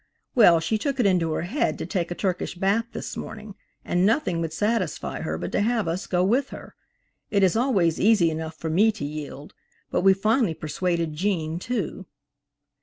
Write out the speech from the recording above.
Well, she took it into her head to take a Turkish bath this morning, and nothing would satisfy her but to have us go with her. It is always easy enough for me to yield, but we finally persuaded Gene too.